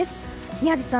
宮司さん